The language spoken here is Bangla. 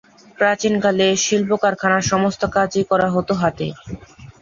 প্রাচীনকালে শিল্পকারখানার সমস্ত কাজই করা হতো হাতে।